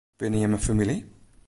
Binne jimme famylje?